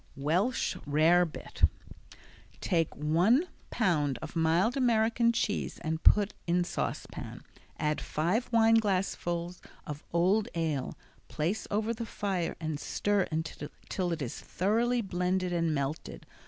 Welsh Rarebit Take one pound of mild American cheese and put in saucepan. Add five wineglassful of old ale, place over the fire and stir until it is thoroughly blended and melted.